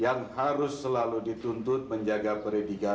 yang harus selalu dituntut menjaga peredikan